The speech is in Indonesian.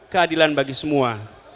keadilan bagi semua